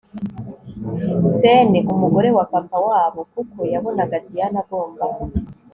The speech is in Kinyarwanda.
Cane Umugore wa Papa wabo kuko yabonako Diane agomba